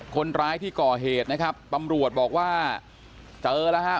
คนร้ายที่ก่อเหตุนะครับตำรวจบอกว่าเจอแล้วฮะ